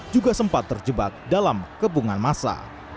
juga sempat terjebak dalam kebungan masa